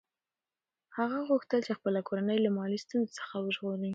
هغه غوښتل چې خپله کورنۍ له مالي ستونزو څخه وژغوري.